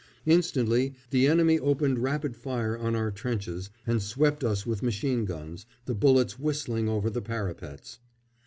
Instantly the enemy opened rapid fire on our trenches and swept us with machine guns, the bullets whistling over the parapets.